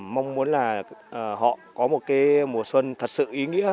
mong muốn là họ có một cái mùa xuân thật sự ý nghĩa